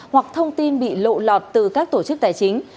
hoặc thông tin bị lộ lọt từ các tổ chức tài chính